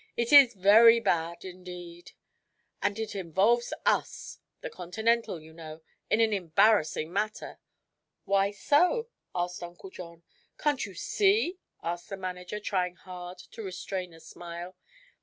It is very bad indeed. And it involves us the Continental, you know in an embarrassing manner." "Why so?" asked Uncle John. "Can't you see, sir?" asked the manager, trying hard to restrain a smile.